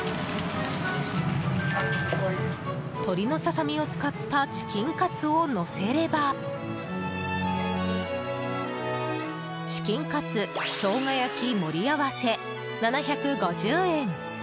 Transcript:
鳥のささみを使ったチキンカツをのせればチキンカツしょうが焼き盛り合わせ、７５０円。